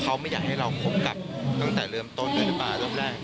เขาไม่อยากให้เราคบกับตั้งแต่เริ่มต้นเลยหรือเปล่ารอบแรก